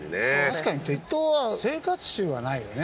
確かに鉄塔は生活臭はないよね。